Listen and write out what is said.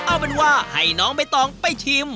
เอาเป็นว่าให้น้องใบตองไปชิม